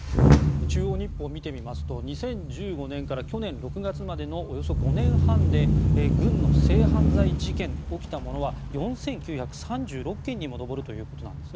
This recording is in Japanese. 中央日報を見てみますと２０１５年から去年６月までの５年半で軍の性犯罪事件、起きたものは４９３６件にも及ぶということです。